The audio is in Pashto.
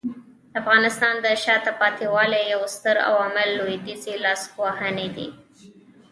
د افغانستان د شاته پاتې والي یو ستر عامل لویدیځي لاسوهنې دي.